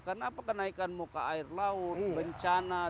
karena apa kenaikan muka air laut bencana dan lain lain